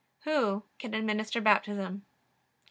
Who can administer Baptism? A.